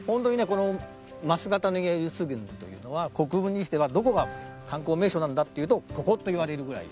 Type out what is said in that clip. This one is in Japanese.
この真姿の池湧水群というのは国分寺市ではどこが観光名所なんだっていうとここといわれるぐらい。